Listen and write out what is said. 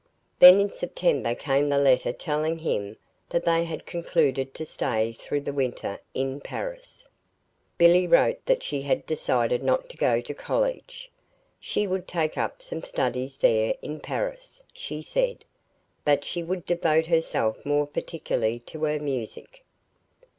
Then in September came the letter telling him that they had concluded to stay through the winter in Paris. Billy wrote that she had decided not to go to college. She would take up some studies there in Paris, she said, but she would devote herself more particularly to her music.